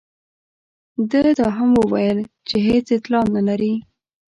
ده دا هم وویل چې هېڅ اطلاع نه لري.